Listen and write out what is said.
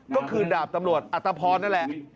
ก็คือดาบตำรวจอัตภพรนั่นแหละ